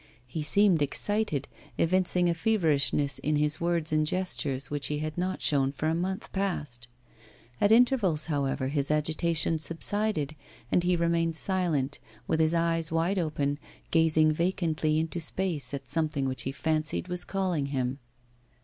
He seemed excited, evincing a feverishness in his words and gestures which he had not shown for a month past. At intervals, however, his agitation subsided, and he remained silent, with his eyes wide open, gazing vacantly into space at something which he fancied was calling him.